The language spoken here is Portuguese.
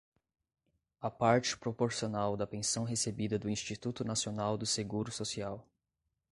A parte proporcional da pensão recebida do Instituto Nacional do Seguro Social.